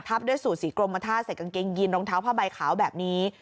ด้วยสูตรสีกรมท่าใส่กางเกงยินรองเท้าผ้าใบขาวแบบนี้